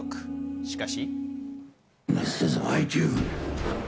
しかし。